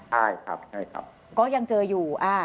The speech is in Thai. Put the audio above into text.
ใช่ครับใช่ครับก็ยังเจออยู่